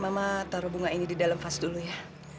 mama taruh bunga ini di dalam vas dulu ya